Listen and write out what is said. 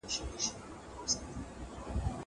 خبري د زده کوونکي له خوا کيږي!!